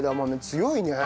強い。